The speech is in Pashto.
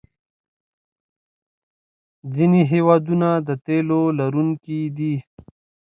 ځینې هېوادونه د تیلو لرونکي دي.